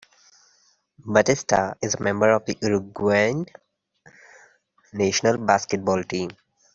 Batista is a member of the Uruguayan national basketball team.